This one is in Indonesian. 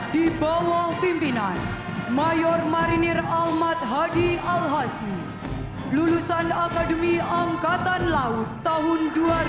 di bawah pimpinan mayor marinir almat hadi al hasni lulusan akademi angkatan laut tahun dua ribu dua